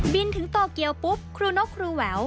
ถึงโตเกียวปุ๊บครูนกครูแหวว